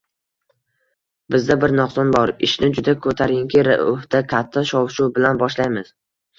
Bizda bir nuqson bor: ishni juda ko‘tarinki ruhda, katta shov-shuv bilan boshlaymiz.